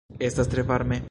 Estas tre varme.